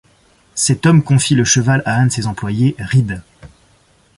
Cet homme confie le cheval à un de ses employés, Rid.